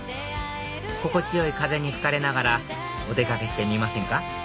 心地良い風に吹かれながらお出掛けしてみませんか？